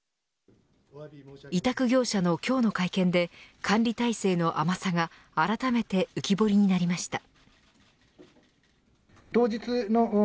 委託業者の今日の会見で管理体制の甘さがあらためて浮き彫りになりました。